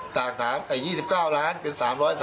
จาก๒๙ล้านเป็น๓๓